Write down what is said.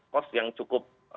kos yang cukup